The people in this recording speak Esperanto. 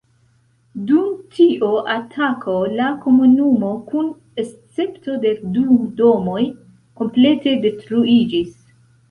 Dum tio atako la komunumo kun escepto de du domoj komplete detruiĝis.